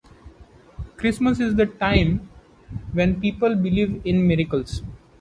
Christmas is the time when people believe in miracles.